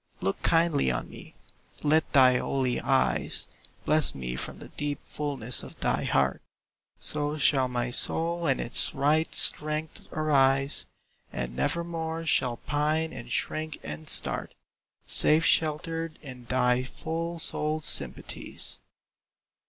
Look kindly on me, let thy holy eyes Bless me from the deep fulness of thy heart; So shall my soul in its right strength arise, And nevermore shall pine and shrink and start, Safe sheltered in thy full souled sympathies.